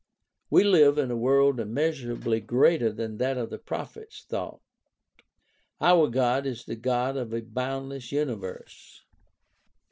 We live in a world immeasurably greater than that of the prophets' thought. Our God is the God of a boundless universe.